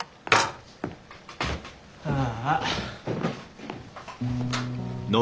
ああ。